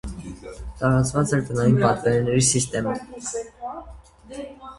Տարածված էր տնային պատվերների սիստեմը։